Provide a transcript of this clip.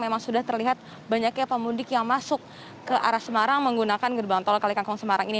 memang sudah terlihat banyaknya pemudik yang masuk ke arah semarang menggunakan gerbang tol kalikangkung semarang ini